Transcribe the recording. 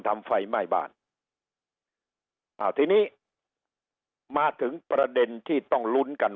ไฟไหม้บ้านอ่าทีนี้มาถึงประเด็นที่ต้องลุ้นกัน